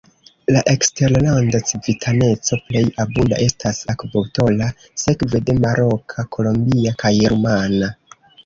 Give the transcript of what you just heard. La eksterlanda civitaneco plej abunda estas ekvatora, sekve de maroka, kolombia kaj rumana.